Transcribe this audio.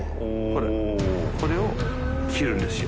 これを切るんですよ。